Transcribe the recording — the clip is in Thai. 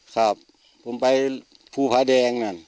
ครับผมไปภูผาแดงนั่น